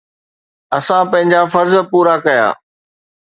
اسان پنهنجا فرض پورا ڪيا.